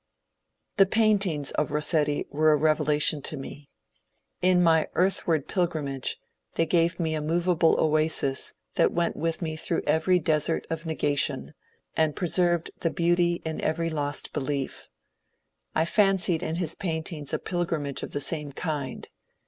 The paintings of Rossetti were a revelation to me. In my earthward pilgrimage " they gave me a movable oasis that went with me through every desert of negation, and preserved the beauty in every lost belief. I fancied in his paintings a pilgrimage of the same kind.